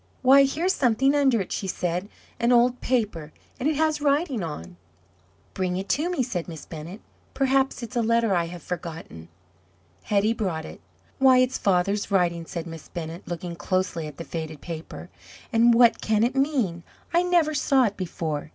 "Why, here's something under it," she said "an old paper, and it has writing on." "Bring it to me," said Miss Bennett; "perhaps it's a letter I have forgotten." Hetty brought it. "Why, it's father's writing!" said Miss Bennett, looking closely at the faded paper; "and what can it mean? I never saw it before.